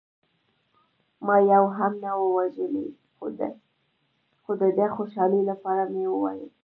ما یو هم نه و وژلی، خو د ده د خوشحالۍ لپاره مې وویل.